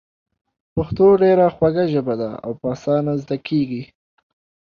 پښتو ډېره خوږه ژبه ده او په اسانه زده کېږي.